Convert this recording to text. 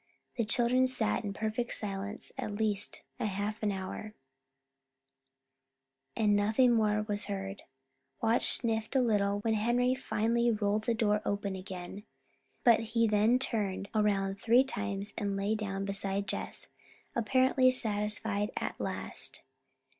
The children sat in perfect silence for at least a half hour, and nothing more was heard. Watch sniffed a little when Henry finally rolled the door open again. But he then turned around three times and lay down beside Jess, apparently satisfied at last.